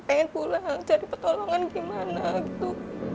pengen pulang cari petolongan gimana gitu